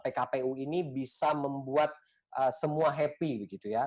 pekat pu ini bisa membuat semua happy begitu ya